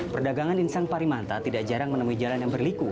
perdagangan insang parimanta tidak jarang menemui jalan yang berliku